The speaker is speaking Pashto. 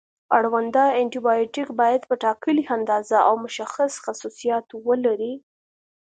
اړونده انټي بیوټیک باید په ټاکلې اندازه او مشخص خصوصیاتو ولري.